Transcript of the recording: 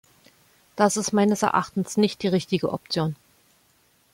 Das ist meines Erachtens nicht die richtige Option.